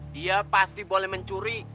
dia pasti boleh mencuri